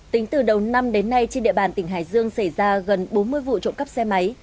tính từ đầu năm đến nay trên địa bàn tỉnh hải dương xảy ra gần bốn mươi vụ trộm cắp xe máy